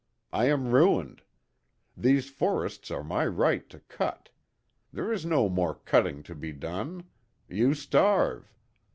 I am ruined. These forests are my right to cut. There is no more cutting to be done. You starve.